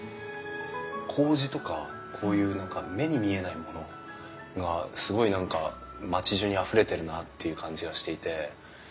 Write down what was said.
こうじとかこういう何か目に見えないものがすごい何か町じゅうにあふれてるなっていう感じがしていて。